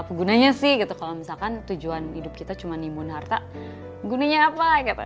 apa gunanya sih gitu kalau misalkan tujuan hidup kita cuma nimun harta gunanya apa gitu